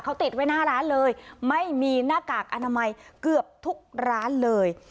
เขาติดไว้หน้าร้านเลยไม่มีหน้ากากอนามัยเกือบทุกร้านเลย